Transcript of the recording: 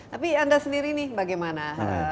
tapi anda sendiri nih bagaimana